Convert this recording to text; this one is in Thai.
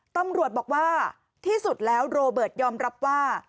ตำรวจบอกว่าที่สุดแล้วโรเบิร์ตยอมรับว่า